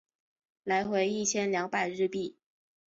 来回一千两百日币